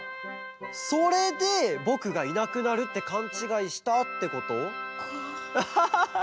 それでぼくがいなくなるってかんちがいしたってこと？